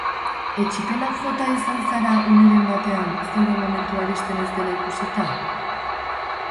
Etsipenak jota izan zara uneren batean zeure momentua iristen ez zela ikusita?